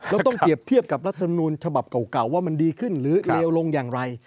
เราต้องเปรียบเทียบกับรัฐมนูลฉบับเก่าว่ามันดีขึ้นหรือเลวลงอย่างไร